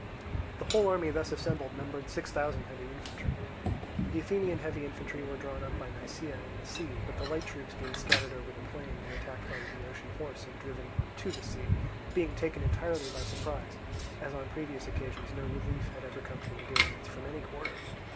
The whole army thus assembled numbered six thousand heavy infantry. The Athenian heavy infantry were drawn up by Nisaea and the sea; but the light troops being scattered over the plain were attacked by the Boeotian horse and driven to the sea, being taken entirely by surprise, as on previous occasions no relief had ever come to the Megarians from any quarter.